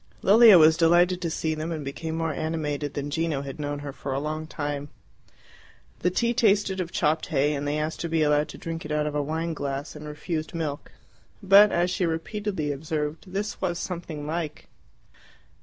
Lilia was delighted to see them, and became more animated than Gino had known her for a long time. The tea tasted of chopped hay, and they asked to be allowed to drink it out of a wine glass, and refused milk; but, as she repeatedly observed, this was something like.